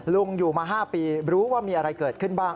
ลุงอยู่มา๕ปีรู้ว่ามีอะไรเกิดขึ้นบ้าง